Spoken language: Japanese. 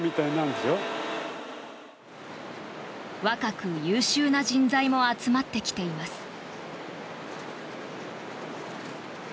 若く優秀な人材も集まってきています。